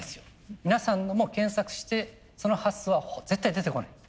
皆さんのも検索してその発想は絶対出てこない。